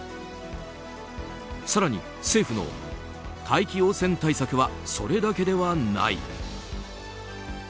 更に、政府の大気汚染対策はそれだけではない。